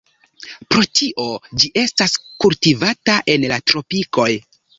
Pro tio ĝi estas kultivata en la tropikoj.